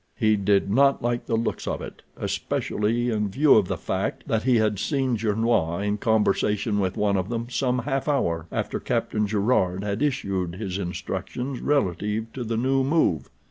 He did not like the looks of it, especially in view of the fact that he had seen Gernois in conversation with one of them some half hour after Captain Gerard had issued his instructions relative to the new move.